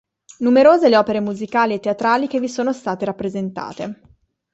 Numerose le opere musicali e teatrali che vi sono state rappresentate.